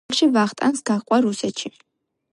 შემდეგში ვახტანგს გაჰყვა რუსეთში.